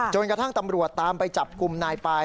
จนกระทั่งตำรวจตามไปจับกลุ่มนายปาย